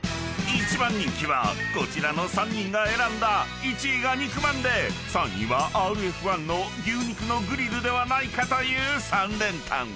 ［１番人気はこちらの３人が選んだ１位が肉まんで３位は「ＲＦ１」の牛肉のグリルではないかという３連単］